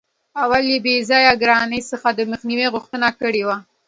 او له بې ځایه ګرانۍ څخه دمخنیوي غوښتنه کړې وه.